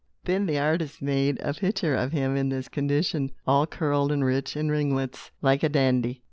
Then the artist made a picture of him in this condition, all curled and rich in ringlets, like a dandy.